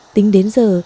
tính đến giờ